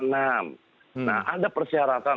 nah ada persyaratan